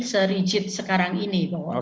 serigit sekarang ini